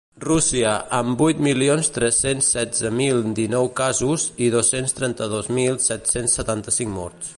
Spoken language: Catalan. Rússia, amb vuit milions tres-cents setze mil dinou casos i dos-cents trenta-dos mil set-cents setanta-cinc morts.